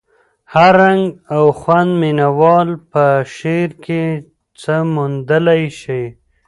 هر رنګ او خوند مینه وال په شعر کې څه موندلی شي.